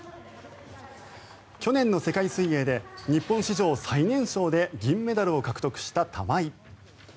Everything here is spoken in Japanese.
去年の世界水泳で日本史上最年少で銀メダルを獲得した玉井。